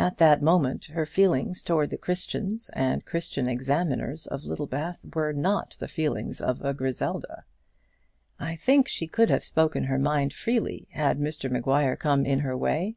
At that moment her feelings towards the Christians and Christian Examiners of Littlebath were not the feelings of a Griselda. I think she could have spoken her mind freely had Mr Maguire come in her way.